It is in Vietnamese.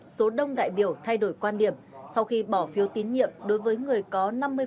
số đông đại biểu thay đổi quan điểm sau khi bỏ phiếu tín nhiệm đối với người có năm mươi